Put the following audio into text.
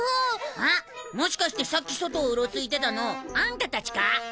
あっもしかしてさっき外をうろついてたのあんたたちか？